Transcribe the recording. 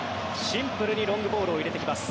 シンプルにロングボールを入れてきます。